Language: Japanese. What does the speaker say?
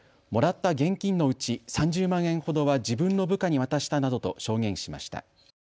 もらった現金のうち３０万円ほどは自分の部下に渡したなどと証言しました。